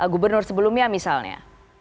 gubernur sebelumnya misalnya